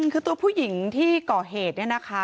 คือตัวผู้หญิงที่ก่อเหตุเนี่ยนะคะ